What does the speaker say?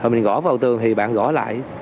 rồi mình gõ vào tường thì bạn gõ lại